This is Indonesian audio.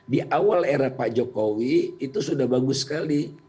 di awal era pak jokowi itu sudah bagus sekali